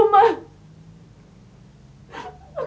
maafkan aku mak